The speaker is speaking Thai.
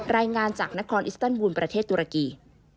รายงานจากนครอิสเตอร์บูลประเทศตุรกี